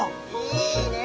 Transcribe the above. いいねえ！